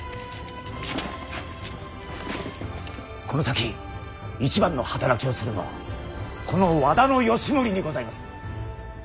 この先一番の働きをするのはこの和田義盛にございます。